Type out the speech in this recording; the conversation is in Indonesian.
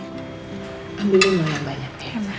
ambilin yang banyak